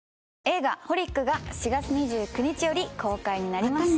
映画「ホリックｘｘｘＨＯＬｉＣ」が４月２９日より公開になります